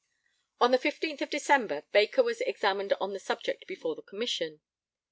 On the 15th December, Baker was examined on the subject before the Commission.